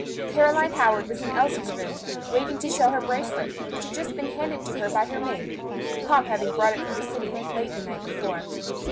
Caroline Howard was in Elsie's room, waiting to show her bracelet, which had just been handed to her by her maid; Pomp having brought it from the city late the night before.